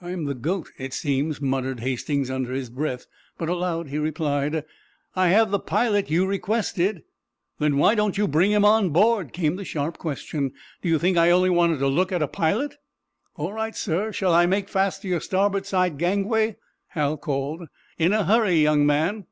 "I'm the goat, it seems," muttered Hastings, under his breath. But, aloud, he replied: "I have the pilot you requested." "Then why don't you bring him on board?" came the sharp question. "Did you think I only wanted to look at a pilot?" "All right, sir. Shall I make fast to your starboard side gangway?" Hal called. "In a hurry, young man!"